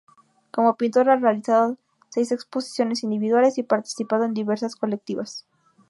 Como pintor ha realizado seis exposiciones individuales y participado en diversas colectivas.